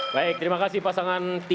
baik terima kasih pasangan tiga